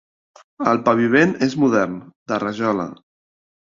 El paviment és modern, de rajola.